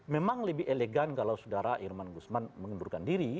memang lebih elegan kalau sudara irman guzman mengundurkan diri